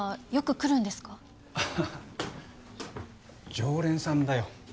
常連さんだよ